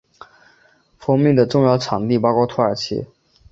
蜂蜜的重要产地包括土耳其。